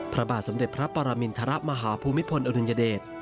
พระบาทสำเด็จพระประมินทระมหาภูมิโภนอนุญเด็ด